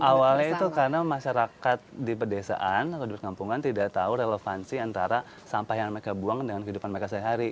awalnya itu karena masyarakat di pedesaan atau di kampungan tidak tahu relevansi antara sampah yang mereka buang dengan kehidupan mereka sehari hari